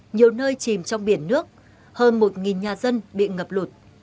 nhiều nơi chìm trong biển nước hơn một nhà dân bị ngập lụt